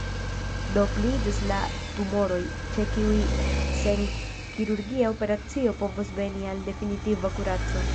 Do pliiĝos la tumoroj, ĉe kiuj sen kirurgia operacio povos veni al definitiva kuraco.